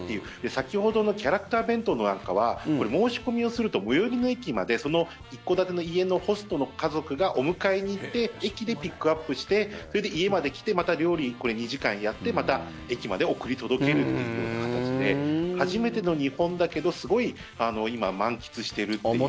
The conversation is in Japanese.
先ほどのキャラクター弁当なんかはこれ、申し込みをすると最寄りの駅までその一戸建ての家のホストの家族がお迎えに行って駅でピックアップしてそれで家まで来てまた料理２時間やってまた駅まで送り届けるという形で初めての日本だけどすごい今、満喫してるという。